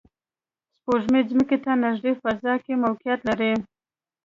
سپوږمۍ ځمکې ته نږدې فضا کې موقعیت لري